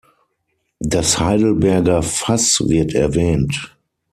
Das Heidelberger Fass wird erwähnt